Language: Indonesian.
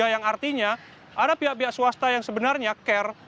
yang artinya ada pihak pihak swasta yang sebenarnya care